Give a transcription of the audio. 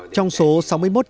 trong số sáu mươi một triệu đồng